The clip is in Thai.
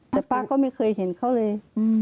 แต่ป้าก็ไม่เคยเห็นเขาเลย